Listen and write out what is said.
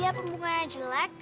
ya pembunganya jelek